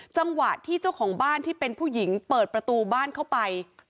จังหวะที่เจ้าของบ้านที่เป็นผู้หญิงเปิดประตูบ้านเข้าไป